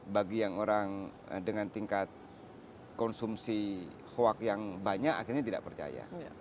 bagi yang orang dengan tingkat konsumsi hoak yang banyak akhirnya tidak percaya